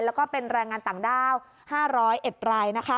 และเป็นรายงานต่างด้าว๕๐๐เอ็ดราย